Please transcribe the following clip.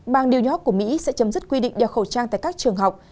bang điều nhóc của mỹ sẽ chấm dứt quy định đeo khẩu trang tại các trường học